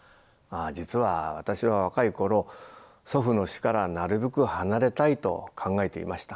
実は私は若い頃祖父の詩からなるべく離れたいと考えていました。